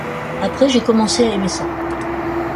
Après j’ai commencé à aimer ça.